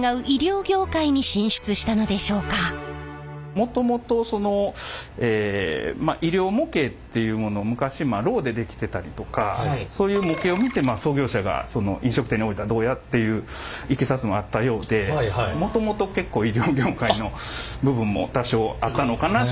もともとその医療模型っていうものを昔ロウで出来てたりとかそういう模型を見てまあ創業者が飲食店に置いたらどうやっていういきさつもあったようでもともと結構医療業界の部分も多少あったのかなって